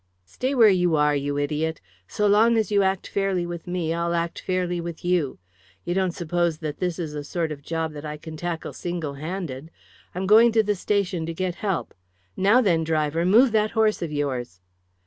"Stay where you are, you idiot! So long as you act fairly with me, I'll act fairly with you. You don't suppose that this is a sort of job that I can tackle single handed? I'm going to the station to get help. Now then, driver, move that horse of yours!"